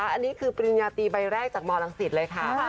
อันนี้คือปริญญาตีใบแรกจากมลังศิษย์เลยค่ะ